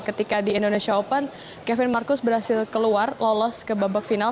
ketika di indonesia open kevin marcus berhasil keluar lolos ke babak final